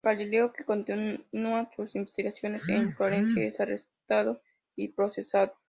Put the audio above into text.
Galileo, que continúa sus investigaciones en Florencia, es arrestado y procesado.